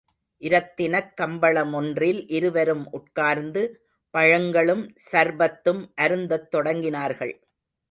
இரத்தினக் கம்பளமொன்றில் இருவரும் உட்கார்ந்து, பழங்களும் சர்பத்தும் அருந்தத் தொடங்கினார்கள்.